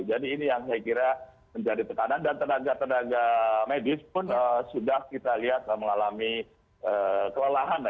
jadi ini yang saya kira menjadi tekanan dan tenaga tenaga medis pun sudah kita lihat mengalami kelelahan ya